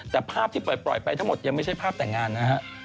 แต่ภาพที่ปล่อยไปทั้งหมดยังไม่ใช่ภาพแต่งงานนะฮะ